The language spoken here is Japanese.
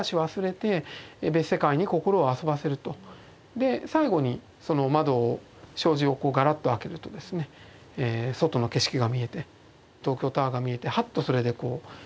で最後にその窓を障子をガラッと開けるとですね外の景色が見えて東京タワーが見えてはっとそれで我に返るといいますか。